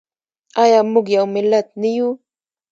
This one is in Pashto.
آیا موږ یو ملت نه یو؟